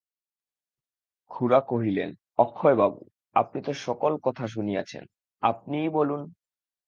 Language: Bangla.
খুড়া কহিলেন, অক্ষয়বাবু, আপনি তো সকল কথা শুনিয়াছেন, আপনিই বলুন।